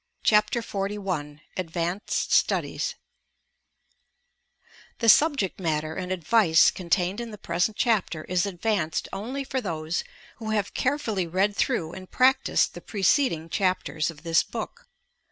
CHAPTER XLI ADVANCED STUDIES The subject matter and advice contained in the preset chapter is advanced onJy for those who have carefully read through and practised the preceding chapters oE this book.